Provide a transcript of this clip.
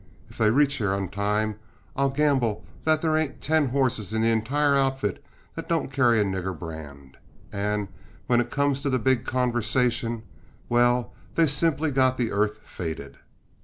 If they reach here on time, I'll gamble there ain't ten horses in the entire outfit that don't carry a nigger brand. And when it comes to the big conversation well, they've simply got the earth faded."